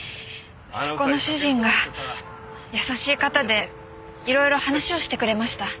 そこの主人が優しい方で色々話をしてくれました。